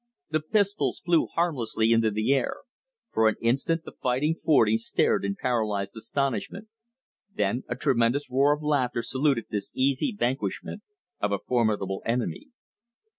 The pistols flew harmlessly into the air. For an instant the Fighting Forty stared in paralyzed astonishment. Then a tremendous roar of laughter saluted this easy vanquishment of a formidable enemy.